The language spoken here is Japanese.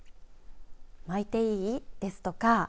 巻いていいですかとか。